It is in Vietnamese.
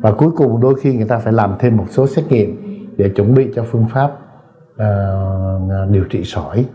và cuối cùng đôi khi người ta phải làm thêm một số xét nghiệm để chuẩn bị cho phương pháp điều trị sỏi